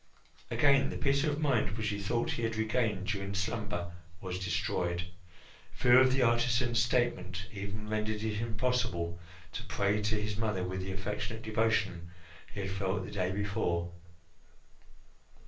Again the peace of mind which he thought he had regained during slumber was destroyed. Fear of the artisan's statement even rendered it impossible to pray to his mother with the affectionate devotion he had felt the day before.